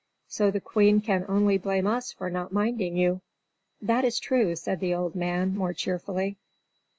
So the Queen can only blame us for not minding you." "That is true," said the old man, more cheerfully.